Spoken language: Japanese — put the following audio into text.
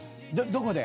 どこで？